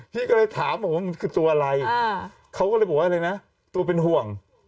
พี่ก็เลยถามบอกว่ามันคือตัวอะไรเขาก็เลยบอกว่าอะไรนะตัวเป็นห่วง